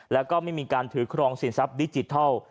แล้วก็ไม่มีการถือครองสินทรัพย์ดิจิทัล